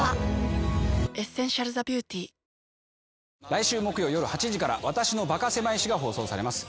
来週木曜夜８時から『私のバカせまい史』が放送されます。